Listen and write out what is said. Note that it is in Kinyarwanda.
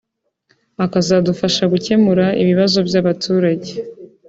akazadufasha gukemura ibibazo by’abaturage